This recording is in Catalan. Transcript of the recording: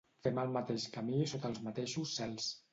Fem el mateix camí sota els mateixos cels.